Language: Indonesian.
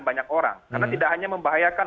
banyak orang karena tidak hanya membahayakan